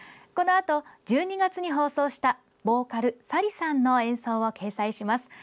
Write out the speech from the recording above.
このあと１２月に放送したボーカル、サリさんの演奏を掲載します。